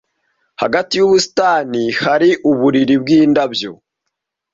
Hagati yubusitani hari uburiri bwindabyo.